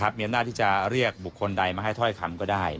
มีอำนาจที่จะเรียกบุคคลใดมาให้ถ้อยคำก็ได้